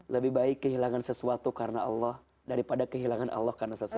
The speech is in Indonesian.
lebih baik kehilangan sesuatu karena allah daripada kehilangan allah karena sesuatu